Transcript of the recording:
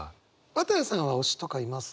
綿矢さんは推しとかいます？